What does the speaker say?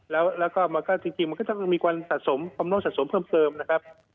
แล้วก็มันก็จริงมันก็จะมีความสะสมความโน้นสะสมเพิ่มเติมนะครับ